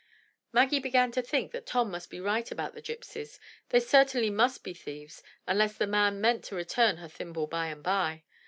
Maggie began to think that Tom must be right about the gypsies; they certainly must be thieves unless the man meant to return her thimble by and by.